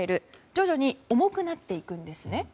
徐々に重くなっていくんです。